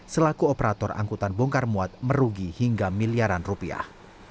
selaku operator angkutan bongkar muat merugi hingga miliaran rupiah